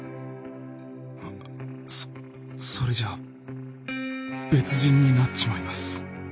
そそれじゃあ別人になっちまいます。